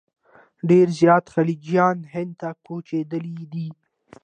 ډېر زیات خلجیان هند ته کوچېدلي دي.